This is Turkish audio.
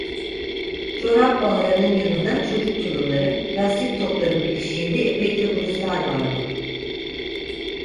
Çorap bağlarının yanında çocuk tulumları, lastik topların bitişiğinde ipekli bluzlar vardı.